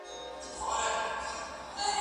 په ټولګي کي ماشومانو ته د پوښتنې وخت ورکړل سو.